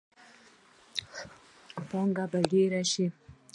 پانګونه به ډیره شي.